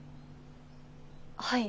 はい。